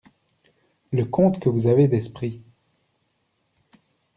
Le comte que vous avez d'esprit!